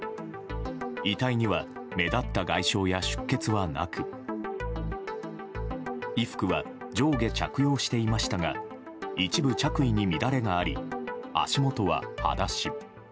遺体には目立った外傷や出血はなく衣服は上下着用していましたが一部着衣に乱れがあり足元は、はだし。